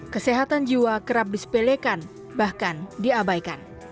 kesehatan jiwa kerap disepelekan bahkan diabaikan